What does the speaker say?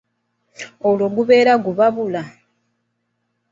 "Olwo gubeera gubabula,"